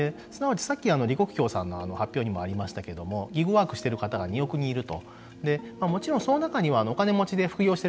すなわちさっき李克強さんの発表にもありましたけれどもギグワークしている方が２億人いると。